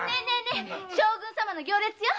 将軍様の行列よ。